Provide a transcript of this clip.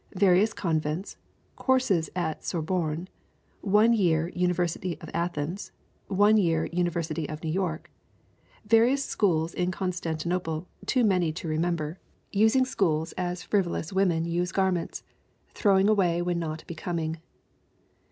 Various convents. Courses at Sorbonne. One year University of Athens. One year University of New York. Various schools in Constantinople, too many to remember, using schools as frivolous women 284 DEMETRA VAKA 285 use garments throwing away when not becoming.